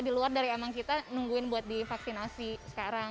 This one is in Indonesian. di luar dari emang kita nungguin buat divaksinasi sekarang